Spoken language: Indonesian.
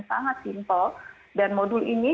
sangat simpel dan modul ini